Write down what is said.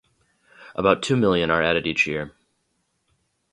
About two million are added each year.